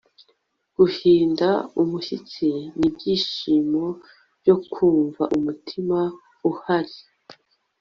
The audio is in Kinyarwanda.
Guhinda umushyitsi nibyishimo byo kumva umutima uhari